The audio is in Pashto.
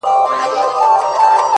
ورځيني ليري گرځــم ليــري گــرځــــم!